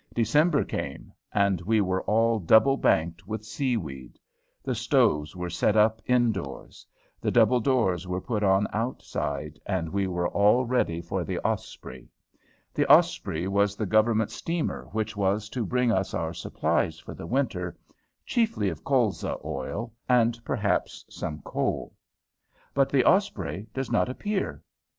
December came. And we were all double banked with sea weed. The stoves were set up in doors. The double doors were put on outside, and we were all ready for the "Osprey." The "Osprey" was the Government steamer which was to bring us our supplies for the winter, chiefly of colza oil, and perhaps some coal. But the "Osprey" does not appear.